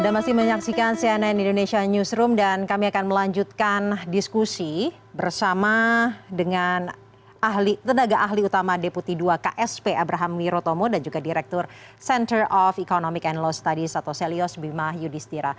mas bima kecepatan untuk memberikan subsidi